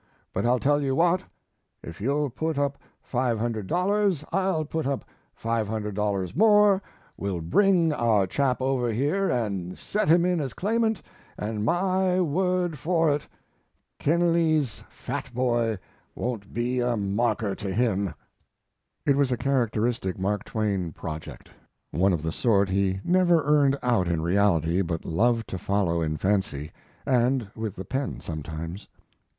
But I'll tell you what: if you'll put up $500, I'll put up $500 more; we'll bring our chap over here and set him in as claimant, and, my word for it, Kenealy's fat boy won't be a marker to him." It was a characteristic Mark Twain project, one of the sort he never earned out in reality, but loved to follow in fancy, and with the pen sometimes.